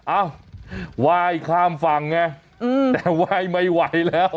อ้าววายข้ามฝั่งไงอืมแต่วายไม่ไหวแล้ว